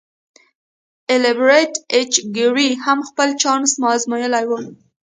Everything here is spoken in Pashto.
ایلبرټ ایچ ګیري هم خپل چانس ازمایلی و